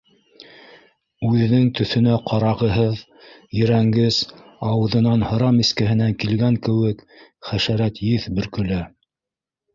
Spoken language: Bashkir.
Үҙенең төҫөнә ҡарағыһыҙ, ерәнгес, ауыҙынан һыра мискәһенән килгән кеүек хәшәрәт еҫ бөркөлә